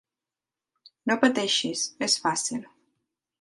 No pateixis, és fàcil.